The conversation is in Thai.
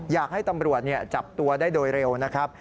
อยากให้ตำรวจจับตัวได้โดยเร็วนะครับ